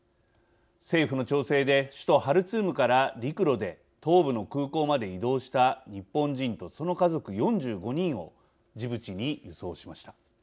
政府の調整で首都ハルツームから陸路で東部の空港まで移動した日本人とその家族４５人をジブチに輸送しました。